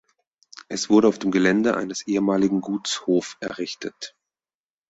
Es wurde auf dem Gelände eines ehemaligen Gutshof errichtet.